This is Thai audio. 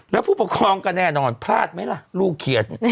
แล้วผู้ปกครองก็แน่นอนพลาดไหมล่ะลูกเขียน